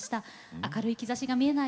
明るい兆しが見えない